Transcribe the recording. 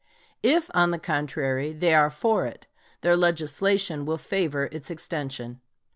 If, on the contrary, they are for it, their legislation will favor its extension.